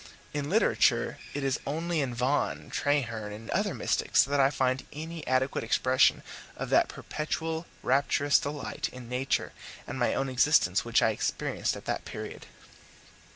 In literature it is only in Vaughan, Traherne, and other mystics, that I find any adequate expression of that perpetual rapturous delight in nature and my own existence which I experienced at that period.